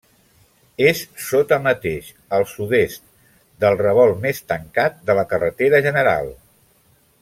És sota mateix, al sud-est, del revolt més tancat de la carretera general.